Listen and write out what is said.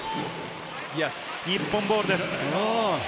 日本ボールです。